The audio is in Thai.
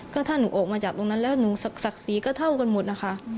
ก็ถ้าหนูออกมาจากตรงนั้นแล้วหนูศักดิ์ศรีก็เท่ากันหมดนะคะ